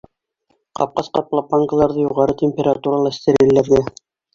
Ҡапҡас ҡаплап, банкаларҙы юғары температурала стерилләргә.